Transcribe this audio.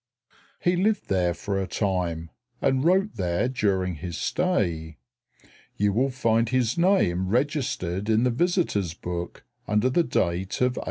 He lived there for a time, and wrote there during his stay. You will find his name registered in the visitors' book under date of 1829.